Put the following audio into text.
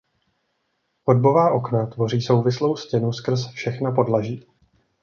Chodbová okna tvoří souvislou stěnu skrz všechna podlaží.